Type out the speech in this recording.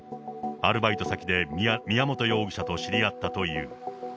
アルバイト先で宮本容疑者と知り合ったという。